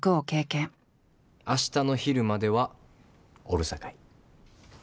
明日の昼まではおるさかい。